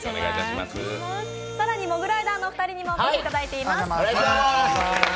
更にモグライダーのお二人にもお越しいただいています。